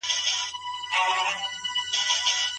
شافعي او حنبلي فقهاوو پر کومه مسئله اتفاق کړی دی؟